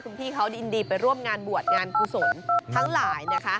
คุณพี่เขายินดีไปร่วมงานบวชงานกุศลทั้งหลายนะคะ